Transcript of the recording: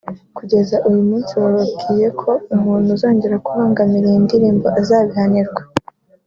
Kugeza uyu munsi bababwiye ko umuntu uzogera kubangamira iyo ndirimbo azabihanirwa